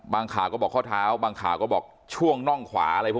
บางขาก็บอกข้อเท้าบางขาก็บอกช่วงน่องขวา